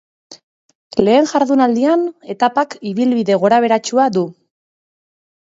Lehen jardunaldian etapak ibilbide gorabeheratsua du.